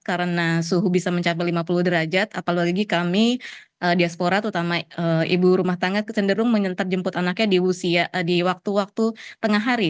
karena suhu bisa mencapai lima puluh derajat apalagi kami diasporat utama ibu rumah tangga cenderung menyentak jemput anaknya di waktu waktu tengah hari